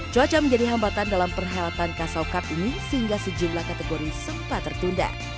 cuaca menjadi hambatan dalam perkhidmatan kasaukap ini sehingga sejumlah kategori sempat tertunda